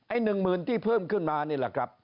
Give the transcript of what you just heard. ไอ้หนึ่งหมื่นที่เพิ่มขึ้นมา